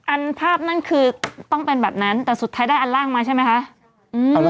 ภาพนั่นคือต้องเป็นแบบนั้นแต่สุดท้ายได้อันล่างมาใช่ไหมคะ